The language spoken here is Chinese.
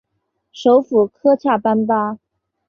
首府科恰班巴。